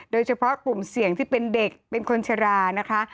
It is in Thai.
โดยเฉพาะกลุ่มเสี่ยงที่เป็นเด็กเป็นคนชรานะคะ